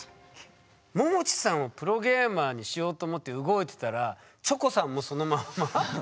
ももちさんをプロゲーマーにしようと思って動いてたらチョコさんもそのまんま？